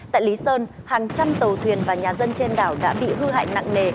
tại lý sơn hàng trăm tàu thuyền và nhà dân trên đảo đã bị hư hại nặng nề